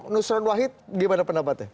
nusran wahid gimana pendapatnya